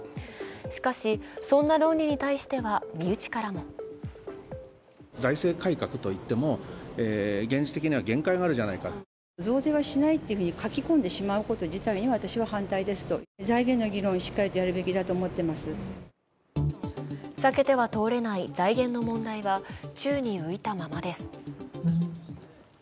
しかし、そんな論理に対しては身内からも避けては通れない財源の問題は宙に浮いたままです。